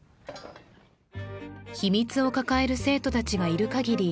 秘密を抱える生徒達がいるかぎり